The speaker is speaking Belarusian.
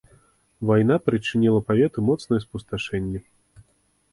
Вайна прычыніла павету моцнае спусташэнне.